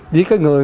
với cái người